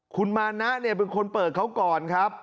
คุณมานะเนี่ยเป็นคนเปิดเค้าก่อนครับ